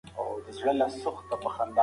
روسان غواړي چي له افغانستان سره مرسته وکړي.